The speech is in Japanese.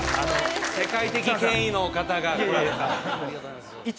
世界的権威の方が来られたいえいえ